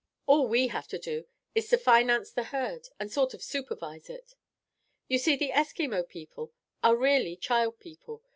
All we have to do is to finance the herd and sort of supervise it. "You see, the Eskimo people are really child people.